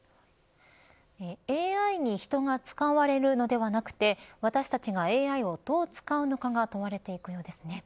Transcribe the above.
ＡＩに人が使われるのではなくて私たちがＡＩをどう使うのかが問われていくようですね。